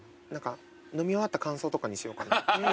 飲み終わった感想とかにしようかな。